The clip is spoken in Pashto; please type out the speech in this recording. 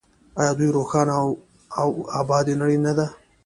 آیا د یوې روښانه او ابادې نړۍ نه ده؟